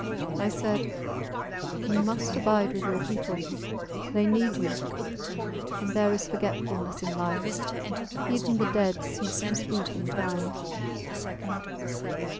I said You must abide with your people. They need you. And there is forgetfulness in life. Even the dead cease to speak in time.